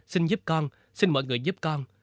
xin giúp con xin mọi người giúp con